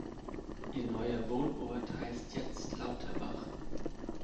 Ihr neuer Wohnort heißt jetzt Lauterbach.